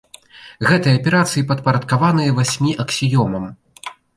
Гэтыя аперацыі падпарадкаваныя васьмі аксіёмам.